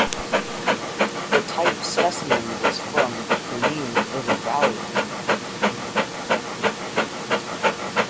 The type specimen was from the Kunene River valley.